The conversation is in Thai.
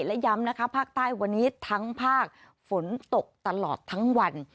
และย้ำนะคะภาคใต้วันนี้ทั้งภาคฝนตกตลอดทั้งวัน